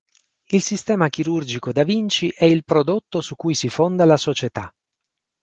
Il Sistema chirurgico da Vinci è il prodotto su cui si fonda la società.